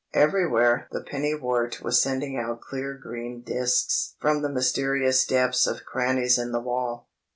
Everywhere the pennywort was sending out clear green disks from the mysterious depths of crannies in the wall.